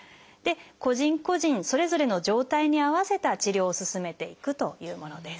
個人個人それぞれの状態に合わせた治療を進めていくというものです。